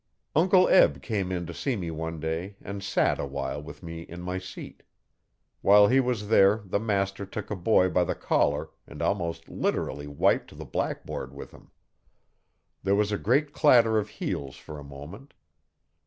Uncle Eb came in to see me one day and sat awhile with me in my seat. While he was there the master took a boy by the collar and almost literally wiped the blackboard with him. There was a great clatter of heels for a moment.